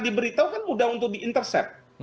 diberitahu kan mudah untuk di intercept